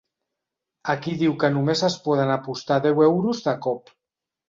Aquí diu que només es poden apostar deu euros de cop.